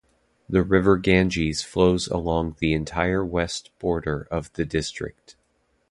The river Ganges flows along the entire west border of the district.